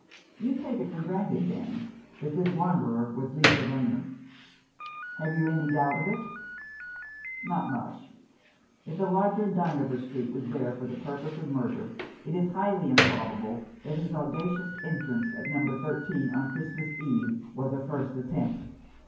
" You take it for granted, then, that this wanderer was Lisa Rayner." " Have you any doubt of it ?" "Not much. If the lodger in uynevor Street was there for the purpose of murder, it is highly improbable that his audacious entrance at No. 13 on Christmas Eve was a first attempt.